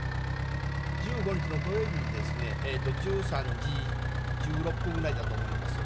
１５日の土曜日にですね、１３時１６分ぐらいだと思います。